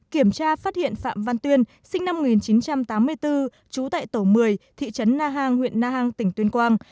kiểm tra phát hiện phạm văn tuyên sinh năm một nghìn chín trăm tám mươi bốn trú tại tổ một mươi thị trấn na hàng huyện na hàng tỉnh tuyên quang